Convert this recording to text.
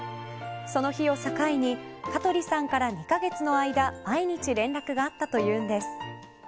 その日を境に香取さんから２カ月の間毎日連絡があったというんです。